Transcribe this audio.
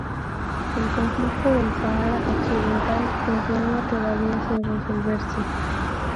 El conflicto del Sáhara Occidental, continúa todavía sin resolverse.